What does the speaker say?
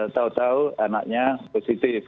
tahu tahu anaknya positif